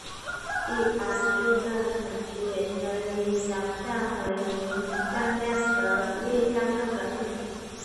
一般矩阵乘积也可以想为是行向量和列向量的内积。